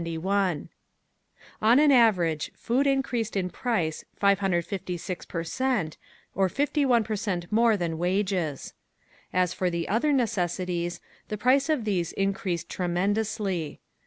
40 471 On an average, food increased in price 556 per cent, or 51 per cent more than wages. As for the other necessities, the price of these increased tremendously.